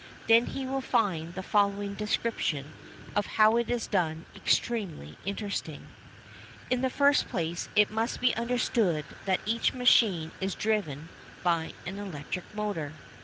Then he will find the following description of how it is done extremely interesting. In the first place it must be understood that each machine is driven by an electric motor.